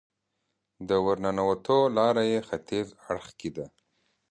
د ورننوتو لاره یې ختیځ اړخ کې ده.